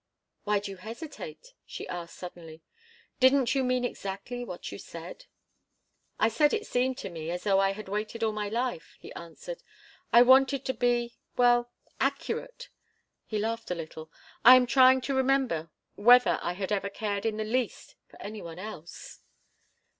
"Why do you hesitate?" she asked, suddenly. "Didn't you mean exactly what you said?" "I said it seemed to me as though I had waited all my life," he answered. "I wanted to be well accurate!" He laughed a little. "I am trying to remember whether I had ever cared in the least for any one else."